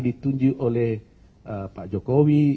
ditunjuk oleh pak jokowi